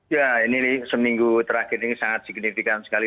ya ini seminggu terakhir ini sangat signifikan sekali